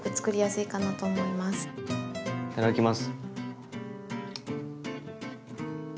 いただきます。